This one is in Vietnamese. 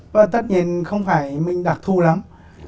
và tất nhiên không phải mình đặc thù lắm